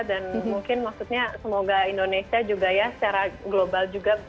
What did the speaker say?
dan mungkin maksudnya semoga indonesia juga ya secara global juga